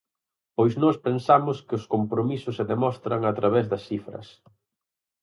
Pois nós pensamos que os compromisos se demostran a través das cifras.